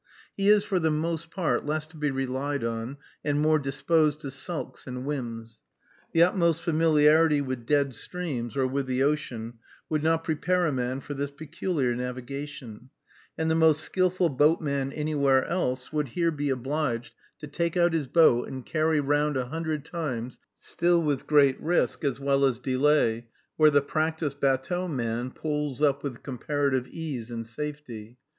He is, for the most part, less to be relied on, and more disposed to sulks and whims. The utmost familiarity with dead streams, or with the ocean, would not prepare a man for this peculiar navigation; and the most skillful boatman anywhere else would here be obliged to take out his boat and carry round a hundred times, still with great risk, as well as delay, where the practiced batteau man poles up with comparative ease and safety.